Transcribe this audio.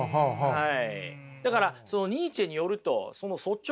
はい。